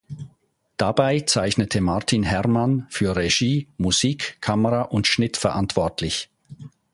Dabei zeichnete Martin Hermann für Regie, Musik, Kamera und Schnitt verantwortlich.